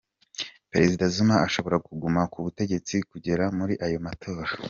Perezida Zuma ashobora kuguma ku butegetsi kugera muri ayo matora.